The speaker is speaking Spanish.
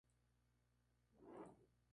Creó varias cooperativas agrícolas azucareras.